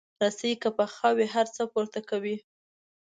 رسۍ که پخه وي، هر څه پورته کوي.